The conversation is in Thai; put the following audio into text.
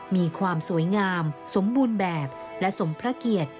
มีความสวยงามสมบูรณ์แบบและสมพระเกียรติ